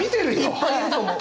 いっぱいいると思う。